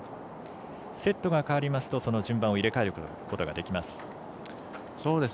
セットが変わりますとその順番を入れ替えることができます。